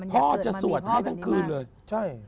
พ่อจะสวดให้ทั้งคืนเลยใช่